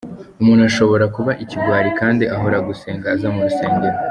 Umuntu ashobora kuba ikigwari kandi ahora gusenga aza mu rusengero.